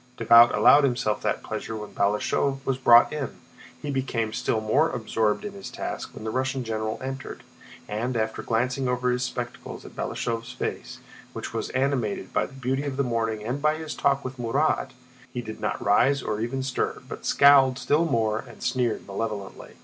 Davout allowed himself that pleasure when Balashëv was brought in. He became still more absorbed in his task when the Russian general entered, and after glancing over his spectacles at Balashëv's face, which was animated by the beauty of the morning and by his talk with Murat, he did not rise or even stir, but scowled still more and sneered malevolently.